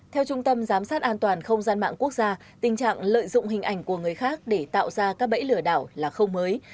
theo trung tâm giám sát an toàn không gian mạng quốc gia tình trạng lợi dụng hình ảnh của người khác để tạo ra các bẫy lừa đảo là không mới